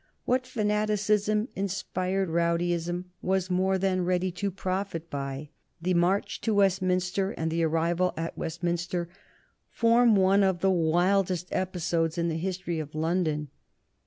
What fanaticism inspired rowdyism was more than ready to profit by. The march to Westminster and the arrival at Westminster form one of the wildest episodes in the history of London.